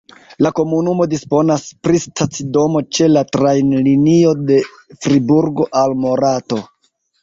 La komunumo disponas pri stacidomo ĉe la trajnlinio de Friburgo al Morato.